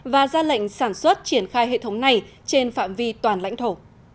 và ra lệnh sản xuất triển khai hệ thống này trên phạm vi toàn lãnh thổ